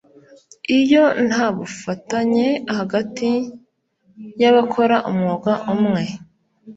iyo ntabufatanye hagati y’abakora umwuga umwe